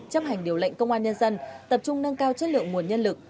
chấp hành điều lệnh công an nhân dân tập trung nâng cao chất lượng nguồn nhân lực